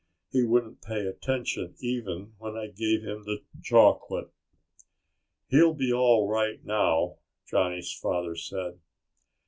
He wouldn't pay attention even when I gave him the chocolate." "He'll be all right now," Johnny's father said.